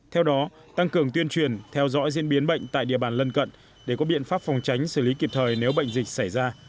theo đó tăng cường tuyên truyền theo dõi diễn biến bệnh tại địa bàn lân cận để có biện pháp phòng tránh xử lý kịp thời nếu bệnh dịch xảy ra